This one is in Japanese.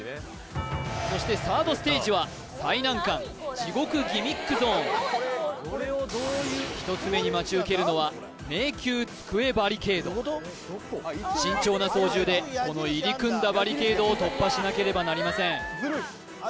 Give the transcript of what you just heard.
そしてサードステージは最難関１つ目に待ち受けるのは慎重な操縦でこの入り組んだバリケードを突破しなければなりません